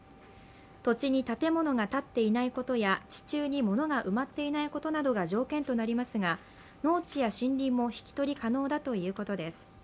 土地に建物が建っていないことや地中にものが埋まっていないことなどが条件となりますが、農地や森林も引き取り可能だということです。